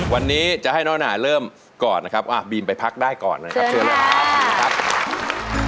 วันนี้จะให้น้อยนาเริ่มก่อนนะครับอ้าวบีนไปพักได้ก่อนนะครับเชิญค่ะ